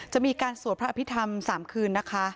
จะมีการสวดพระอภิษฐรรม๓คืนนะคะ